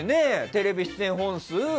テレビ出演本数